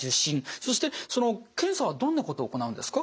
そして検査はどんなことを行うんですか？